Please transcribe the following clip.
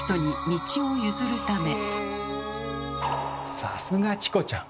さすがチコちゃん。